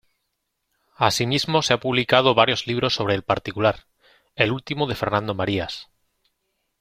Asimismo se ha publicado varios libros sobre el particular, el último de Fernando Marías.